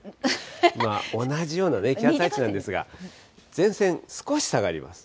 同じようなね、気圧配置なんですが、前線、少し下がります。